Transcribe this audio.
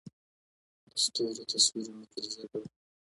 د ستورو تصویرونه گرځېدل.